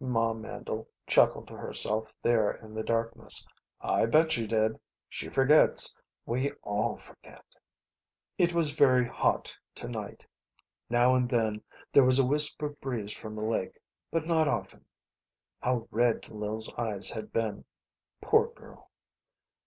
Ma Mandle chuckled to herself there in the darkness. "I bet she did. She forgets. We all forget." It was very hot to night. Now and then there was a wisp of breeze from the lake, but not often.... How red Lil's eyes had been ... poor girl.